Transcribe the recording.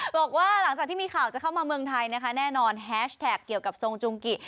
บอกว่าหลังจากที่มีข่าวจะเข้ามาเมืองไทยนะคะแน่นอนแฮชแท็กเกี่ยวกับทรงจุงกิ